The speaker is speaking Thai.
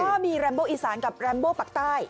ก็มีลัมโบอิสานกับลัมโบปากใต้